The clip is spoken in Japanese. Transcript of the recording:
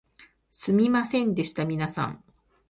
すみませんでした皆さん